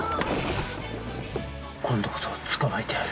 今度こそ捕まえてやる。